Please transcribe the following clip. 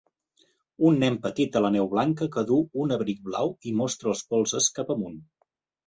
un nen petit a la neu blanca que duu un abric blau i mostra els dos polzes cap amunt.